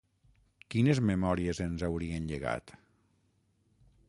Quines memòries ens haurien llegat?